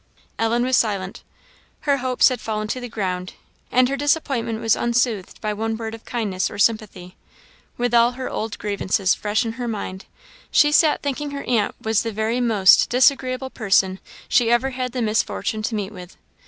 Ellen was silent. Her hopes had fallen to the ground, and her disappointment was unsoothed by one word of kindness or sympathy. With all her old grievances fresh in her mind, she sat thinking her aunt was the very most disagreeable person she ever had the misfortune to meet with.